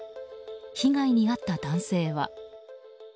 被害に遭った男性は。